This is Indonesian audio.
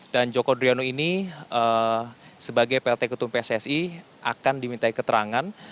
dan joko driono ini sebagai plt ketum pssi akan diminta keterangan